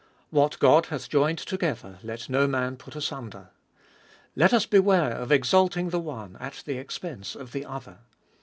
What God hath joined together let no man put asunder. Let us beware of exalting the one at the expense of the other.